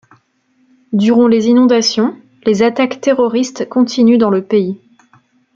Durant les inondations, les attaques terroristes continuent dans le pays.